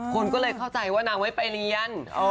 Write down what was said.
คนก็เลยเข้าใจว่านางไว้ไปเรียน